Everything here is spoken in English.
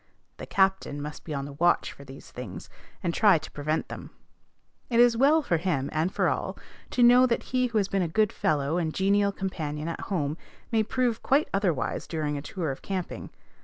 The captain must be on the watch for these things, and try to prevent them. It is well for him, and for all, to know that he who has been a "good fellow" and genial companion at home may prove quite otherwise during a tour of camping.